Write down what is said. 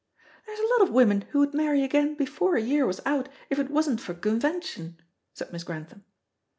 "There's a lot of women who would marry again before a year was out if it wasn't for convention," said Miss Grantham.